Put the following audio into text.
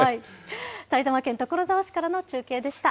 埼玉県所沢市からの中継でした。